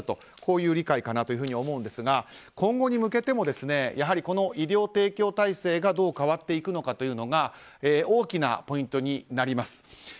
こういう理解かなと思うんですが今後に向けてもやはり医療提供体制がどう変わっていくのかが大きなポイントになります。